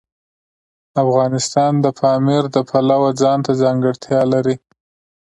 افغانستان د پامیر د پلوه ځانته ځانګړتیا لري.